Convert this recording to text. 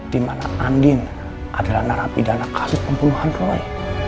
di mana andin adalah narapidana kasus pembunuhan roy